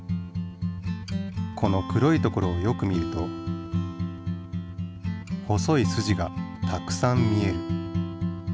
この黒い所をよく見ると細いすじがたくさん見える。